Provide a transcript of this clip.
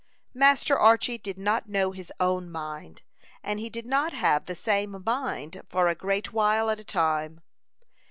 Master Archy did not know his own mind; and he did not have the same mind for a great while at a time.